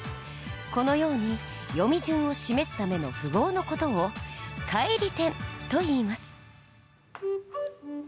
このように読み順を示すための符号の事を「返り点」といいます。